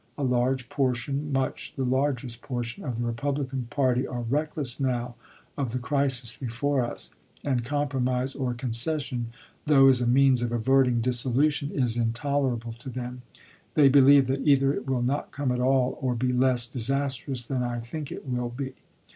A large portion, much the largest portion of the Republican party, are reckless now of the crisis before us ; and compromise or concession, though as a means of averting dissolution, is intolerable to them. They be lieve that either it will not come at all, or be less disas trous than I think it will be.